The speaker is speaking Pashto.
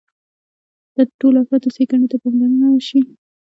د ټولو افرادو ښېګڼې ته باید پاملرنه وشي.